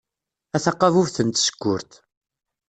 A taqabubt n tsekkurt.